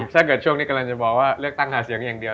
ถ้าเกิดช่วงนี้กำลังจะบอกว่าเลือกตั้งหาเสียงอย่างเดียว